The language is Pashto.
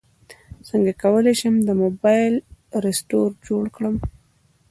څنګه کولی شم د موبایل رسټور جوړ کړم